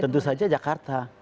tentu saja jakarta